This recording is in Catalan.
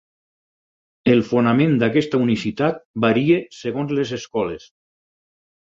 El fonament d'aquesta unicitat varia segons les escoles.